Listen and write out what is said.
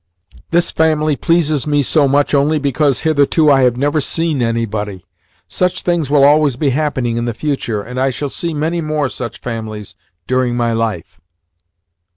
This family pleases me so much only because hitherto I have never seen anybody. Such things will always be happening in the future, and I shall see many more such families during my life."